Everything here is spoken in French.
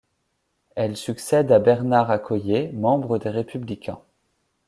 Elle succède à Bernard Accoyer, membre des Républicains.